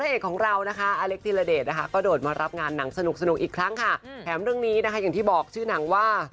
อีกครั้งค่ะแถมเรื่องนี้นะคะอย่างที่บอกชื่อหนังว่า